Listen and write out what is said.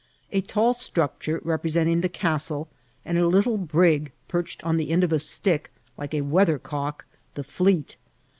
A tall structure represented the castle, and a little brig perched on the end of a stick, like a weathercock, the fleet.